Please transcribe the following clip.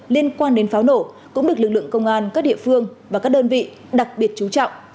liên quan đến pháo nổ cũng được lực lượng công an các địa phương và các đơn vị đặc biệt chú trọng